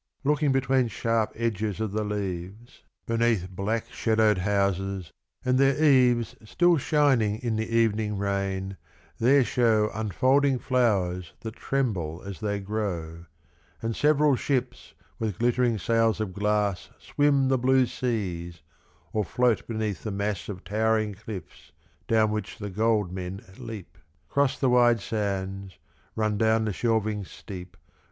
Looking between sharp edges of the leaves Beneath black shadowed houses, and their eaves Still shining in the evening rain, there show Unfolding flowers that tremble as they grow, And several ships with glittering sails of glass Swim the blue seas, or float beneath the mass Of towering cliffs down which the gold men leap. Cross the wide sands, run down the shelving steep.